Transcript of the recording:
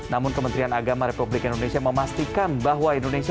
namun kementerian agama republik indonesia memastikan bahwa indonesia